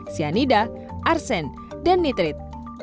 cyanida arsen dan nitrit